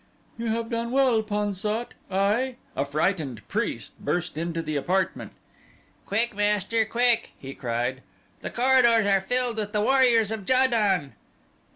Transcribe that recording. "You have done well, Pan sat, I " A frightened priest burst into the apartment. "Quick, master, quick," he cried, "the corridors are filled with the warriors of Ja don."